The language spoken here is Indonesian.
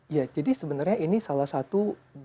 ya jadi sebenarnya ini salah satu bentuk perjalanan